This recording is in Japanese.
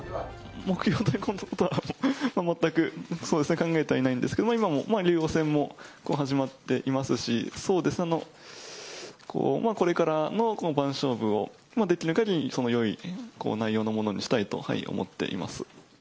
目標ということは、全くそうですね、考えてはいないんですけど、今も竜王戦も始まっていますし、そうですね、こう、まあこれからの番勝負を、できるかぎり、よい内容のものにしたいと思っています。